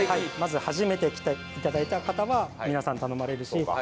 まず初めて来ていただいた方は皆さん頼まれるし。